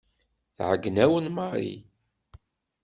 Tɛeyyen-awen Mary.